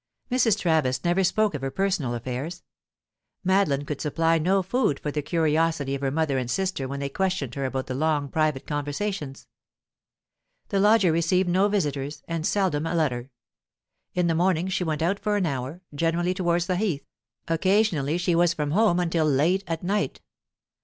Mrs. Travis never spoke of her personal affairs; Madeline could supply no food for the curiosity of her mother and sister when they questioned her about the long private conversations. The lodger received no visitors, and seldom a letter. In the morning she went out for an hour, generally towards the heath; occasionally she was from home until late at night.